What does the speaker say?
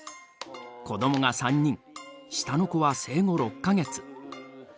子どもが３人下の子は生後６か月。